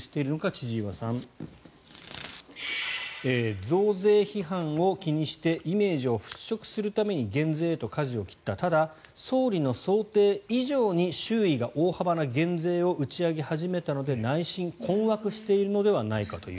千々岩さん、増税批判を気にしてイメージを払しょくするために減税へとかじを切ったただ、総理の想定以上に周囲が大幅な減税を打ち上げ始めたので内心困惑しているのではないかという。